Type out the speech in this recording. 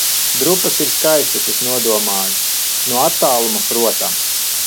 Drupas ir skaistas, es nodomāju. No attāluma, protams.